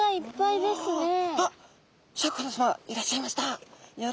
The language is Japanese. あっシャーク香音さまいらっしゃいました。